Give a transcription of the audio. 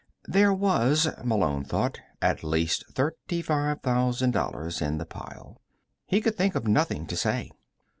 There was, Malone thought, at least thirty five thousand dollars in the pile. He could think of nothing to say.